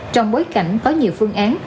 trong bối cảnh có nhiều phương án